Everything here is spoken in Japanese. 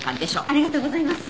ありがとうございます。